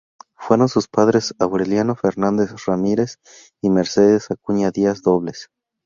Fueron sus padres Aureliano Fernández Ramírez y Mercedes Acuña Díaz Dobles.